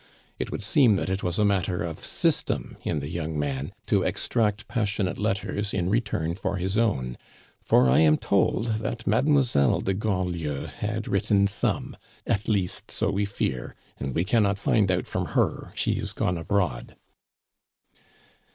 It would seem that it was a matter of system in the young man to extract passionate letters in return for his own, for I am told that Mademoiselle de Grandlieu had written some at least, so we fear and we cannot find out from her she is gone abroad."